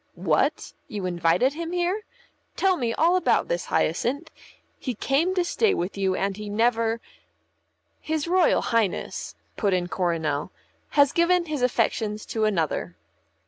"What? You invited him here? Tell me about this, Hyacinth. He came to stay with you and he never " "His Royal Highness," put in Coronel, "has given his affections to another."